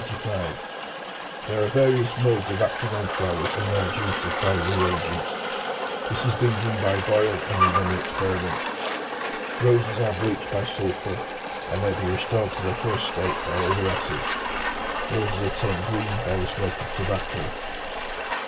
There are various modes of acting on flowers and their juices by re agents. This has been done by Boyle in many experiments. Roses are bleached by sulphur, and may be restored to their first state by other acids; roses are turned green by the smoke of tobacco.